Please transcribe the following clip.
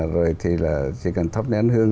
rồi thì là chỉ cần thắp nén hương